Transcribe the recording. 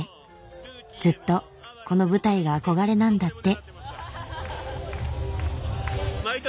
ずっとこの舞台が憧れなんだって。